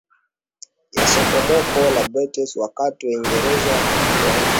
ya sokomoko la Brexit Wakati Waingereza watakapoamka